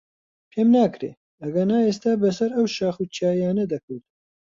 پێم ناکرێ، ئەگەنا ئێستا بەسەر ئەو شاخ و چیایانە دەکەوتم.